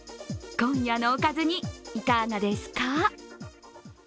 今夜のおかずにいかがですか？